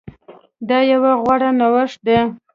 دا يو غوره نوښت ده